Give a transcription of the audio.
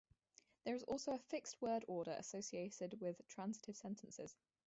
There is also a fixed word order associated with transitive sentences.